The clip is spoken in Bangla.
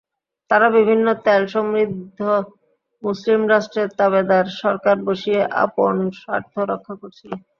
তারা বিভিন্ন তেলসমৃদ্ধ মুসলিম রাষ্ট্রে তাঁবেদার সরকার বসিয়ে আপন স্বার্থ রক্ষা করছিল।